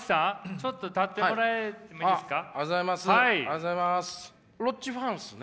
ちょっと立ってもらってもいいですか？